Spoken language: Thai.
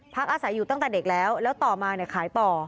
อาศัยอยู่ตั้งแต่เด็กแล้วแล้วต่อมาเนี่ยขายต่อ